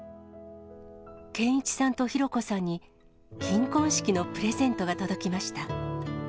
健一さんと弘子さんに金婚式のプレゼントが届きました。